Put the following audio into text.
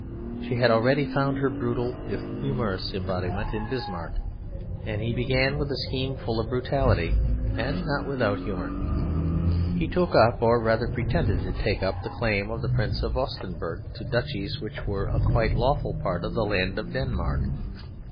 She had already found her brutal, if humorous, embodiment in Bismarck; and he began with a scheme full of brutality and not without humour. He took up, or rather pretended to take up, the claim of the Prince of Augustenberg to duchies which were a quite lawful part of the land of Denmark.